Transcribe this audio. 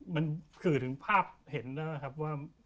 มันสื่อถึงภาพเห็นแล้วนะครับว่า